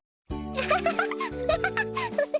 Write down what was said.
アハハハ！